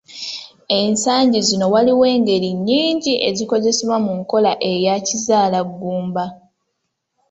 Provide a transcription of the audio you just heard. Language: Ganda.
Ensangi zino waliwo engeri nnyingi ezikozesebwa mu nkola eya Kizaalaggumba.